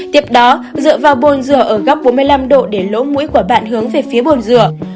tiếp đó dựa vào bồn rửa ở góc bốn mươi năm độ để lỗ mũi của bạn hướng về phía bồn rửa